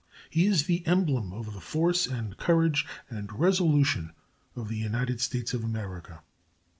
He is the emblem of the force and courage and resolution of the United States of America.